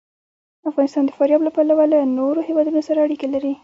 افغانستان د فاریاب له پلوه له نورو هېوادونو سره اړیکې لري.